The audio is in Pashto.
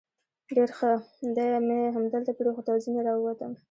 ډېر ښه، دی مې همدلته پرېښود او ځنې را ووتم.